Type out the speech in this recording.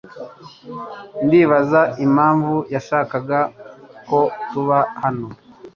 Ndibaza impamvu yashakaga ko tuba hano.